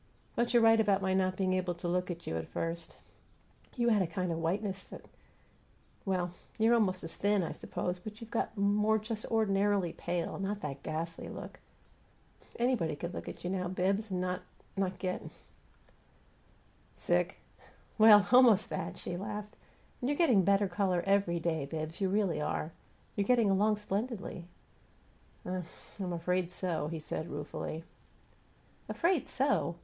But you're right about my not being able to look at you at first. You had a kind of whiteness that Well, you're almost as thin, I suppose, but you've got more just ordinarily pale; not that ghastly look. Anybody could look at you now, Bibbs, and no not get " "Sick?" "Well almost that!" she laughed. "And you're getting a better color every day, Bibbs; you really are. You're getting along splendidly." "I I'm afraid so," he said, ruefully. "'Afraid so'!